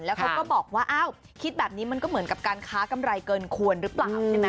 แล้วเขาก็บอกว่าอ้าวคิดแบบนี้มันก็เหมือนกับการค้ากำไรเกินควรหรือเปล่าใช่ไหม